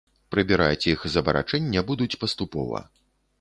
Прыбіраць іх з абарачэння будуць паступова.